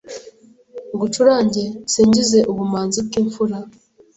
Ngucurange nsingize Ubumanzi bw'Imfura